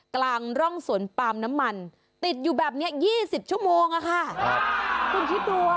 กลางร่องสวนปาล์มน้ำมันติดอยู่แบบเนี้ยยี่สิบชั่วโมงอะค่ะคุณคิดดูอ่ะ